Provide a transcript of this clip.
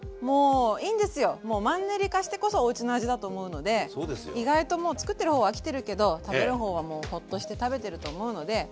もうマンネリ化してこそおうちの味だと思うので意外ともうつくってる方は飽きてるけど食べる方はもうホッとして食べてると思うので。